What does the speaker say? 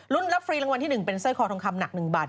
รับฟรีรางวัลที่๑เป็นสร้อยคอทองคำหนัก๑บาท